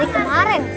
sudah siap makanan ini